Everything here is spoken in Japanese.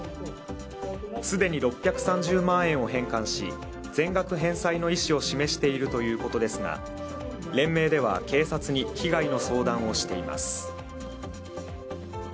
既に６３０万円を返還し全額返済の意思を示しているということですが、連盟では警察に被害の相談をしています。